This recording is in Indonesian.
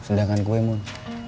sedangkan gue mon